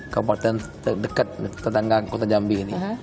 kabupaten dekat tetangga kota jambi ini